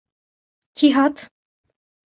Kî hat?